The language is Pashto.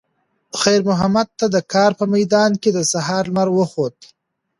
خیر محمد ته د کار په میدان کې د سهار لمر وخوت.